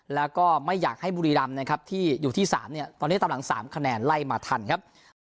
แล้วก็ไม่อยากให้บุรีรำนะครับที่อยู่ที่๓เนี่ยตอนนี้ตามหลัง๓คะแนนไล่มาทันครับ